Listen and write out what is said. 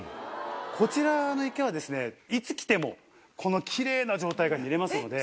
こちらの池はいつ来てもこのキレイな状態が見れますので。